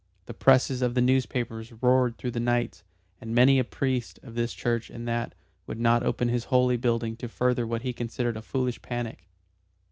The presses of the newspapers roared through the nights, and many a priest of this church and that would not open his holy building to further what he considered a foolish panic.